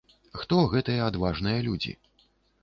Хто гэтыя адважныя людзі?